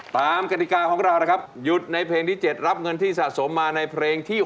กติกาของเรานะครับหยุดในเพลงที่๗รับเงินที่สะสมมาในเพลงที่๖